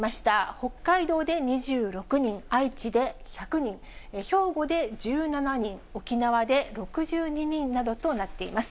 北海道で２６人、愛知で１００人、兵庫で１７人、沖縄で６２人などとなっています。